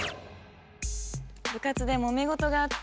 部活でもめ事があって。